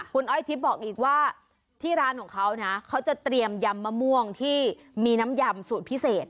คุณอ้อยทิพย์บอกอีกว่าที่ร้านของเขานะเขาจะเตรียมยำมะม่วงที่มีน้ำยำสูตรพิเศษ